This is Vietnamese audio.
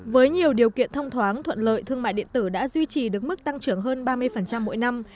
với nhiều điều kiện thông thoáng thuận lợi thương mại điện tử đã duy trì được mức tăng trưởng hơn ba mươi mỗi năm